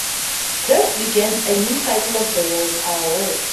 Thus begins a new cycle of the world: our world.